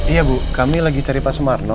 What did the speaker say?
iya bu kami lagi cari pak sumarno